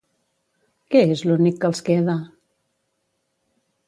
Què és l'únic que els queda?